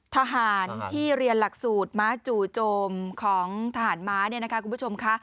ทหารที่เรียนหลักสูตรม้าจู่โจมของทหารม้าเนี่ยนะคะคุณผู้ชมค่ะ